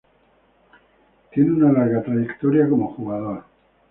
Tiene una larga trayectoria como jugador.